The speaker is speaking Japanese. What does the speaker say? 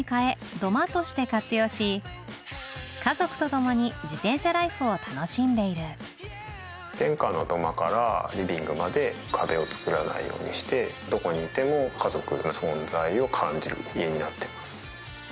土間として活用し家族と共に自転車ライフを楽しんでいる玄関の土間からリビングまで壁を作らないようにしてどこにいても家族の存在を感じる家になってます。